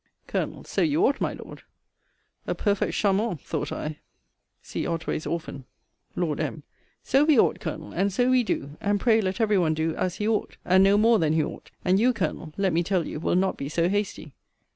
Col. So you ought, my Lord! A perfect Chamont; thought I.* * See Otway's Orphan. Lord M. So we ought, Colonel! and so we do! and pray let every one do as he ought! and no more than he ought; and you, Colonel, let me tell you, will not be so hasty.